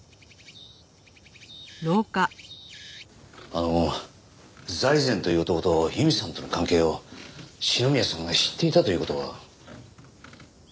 あの財前という男と由美さんとの関係を篠宮さんが知っていたという事は？